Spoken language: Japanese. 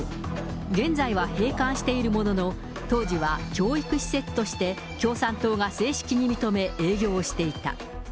現在は閉館しているものの、当時は教育施設として、共産党が正式に認め、営業をしていた。